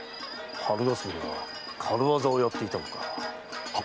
春霞は軽業をやっていたのか。